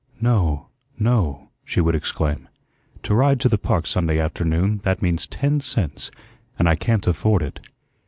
"No, no," she would exclaim. "To ride to the park Sunday afternoon, that means ten cents, and I can't afford it."